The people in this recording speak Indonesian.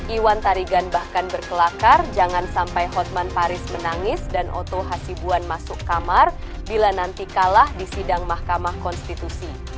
iwan tarigan bahkan berkelakar jangan sampai hotman paris menangis dan oto hasibuan masuk kamar bila nanti kalah di sidang mahkamah konstitusi